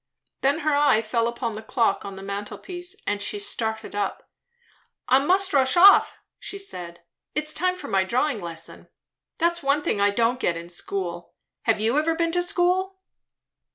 Then her eye fell upon the clock on the mantel piece, and she started up. "I must rush right off," she said; "it is time for my drawing lesson. That's one thing I don't get in school. Have you ever been to school?"